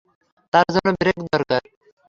তার জন্য ব্রেক দরকার।